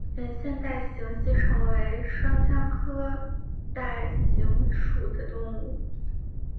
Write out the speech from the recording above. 圆腺带形吸虫为双腔科带形属的动物。